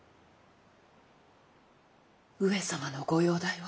上様のご容体は。